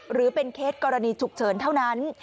หรือเป็นเคสกรณีฉุกเฉินเท่านั้น